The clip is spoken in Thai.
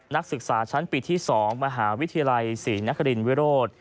นักศึกษาชั้นปีที่๒มหาวิทยาลัยศรีนครินวิโรธ